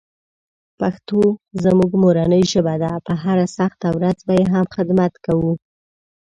پښتو زموږ مورنۍ ژبه ده، په هره سخته ورځ به یې هم خدمت کوو.